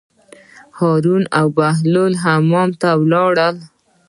هارون او بهلول حمام ته لاړل.